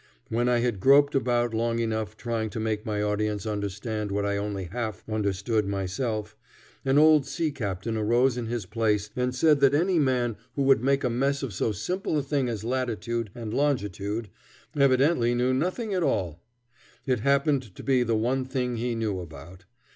When I had groped about long enough trying to make my audience understand what I only half understood myself, an old sea captain arose in his place and said that any man who would make a mess of so simple a thing as latitude and longitude evidently knew nothing at all. It happened to be the one thing he knew about.